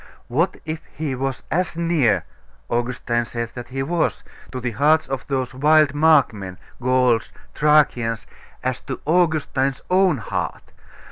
What if he was as near Augustine said that He was to the hearts of those wild Markmen, Gauls, Thracians, as to Augustine's own heart?